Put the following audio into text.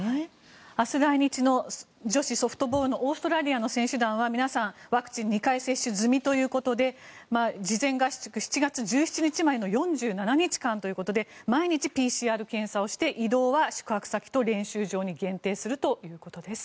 明日来日の女子ソフトボールのオーストラリアの選手団は、皆さんワクチンは２回接種済みということで事前合宿は７月１１日までの４７日間ということで毎日ＰＣＲ検査をして移動は宿泊先と練習場に限定するということです。